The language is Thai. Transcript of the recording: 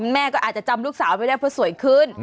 แม่ก็อาจจะจำลูกสาวไม่ได้เพราะสวยขึ้น